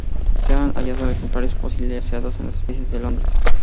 Se han hallado ejemplares fosilizados de la especie en Londres.